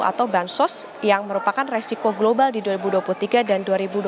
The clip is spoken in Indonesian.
atau bansos yang merupakan resiko global di dua ribu dua puluh tiga dan dua ribu dua puluh satu